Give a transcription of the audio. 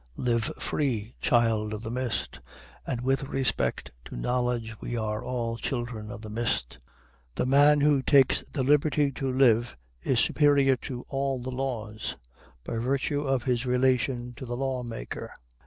Live free, child of the mist, and with respect to knowledge we are all children of the mist. The man who takes the liberty to live is superior to all the laws, by virtue of his relation to the law maker.